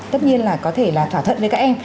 tất nhiên là có thể là thỏa thuận với các em